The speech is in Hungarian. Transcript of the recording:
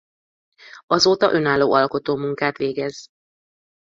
Azóta önálló alkotómunkát végez.